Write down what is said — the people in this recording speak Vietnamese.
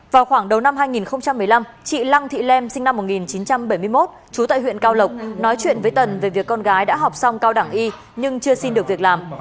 vào khoảng đầu năm hai nghìn một mươi năm chị lăng thị lem sinh năm một nghìn chín trăm bảy mươi một trú tại huyện cao lộc nói chuyện với tần về việc con gái đã học xong cao đẳng y nhưng chưa xin được việc làm